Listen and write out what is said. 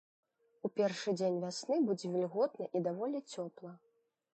У першы дзень вясны будзе вільготна і даволі цёпла.